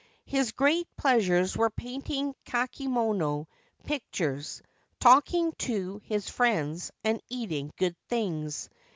His great pleasures were painting kakemono pictures, talking to his friends, and eating good things.